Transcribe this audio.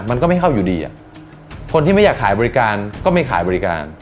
มันก็ไม่เข้าอยู่ดีอ่ะคนที่ไม่อยากขายบริการก็ไม่ขายบริการ